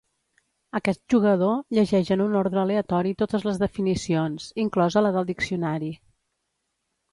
Aquest jugador llegeix en un ordre aleatori totes les definicions, inclosa la del diccionari.